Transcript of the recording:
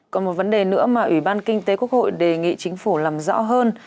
còn một vấn đề nữa mà ủy ban kinh tế quốc hội đề nghị chính phủ làm rõ hơn